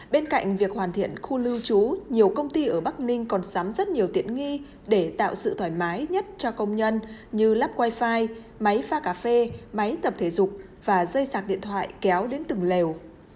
bên cạnh việc hoàn thiện khu lưu trú nhiều công ty ở bắc ninh còn sắm rất nhiều tiện nghi để tạo sự thoải mái nhất cho công nhân như lắp wifi máy pha cà phê máy tập thể dục và dây sạc điện thoại kéo đến từng lều